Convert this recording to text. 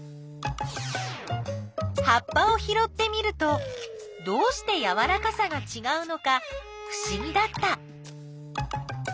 葉っぱをひろってみるとどうしてやわらかさがちがうのかふしぎだった。